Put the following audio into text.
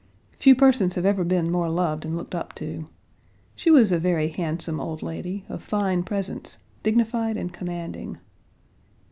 Few persons have ever been more loved and looked up to. She was a very handsome old lady, of fine presence, dignified and commanding.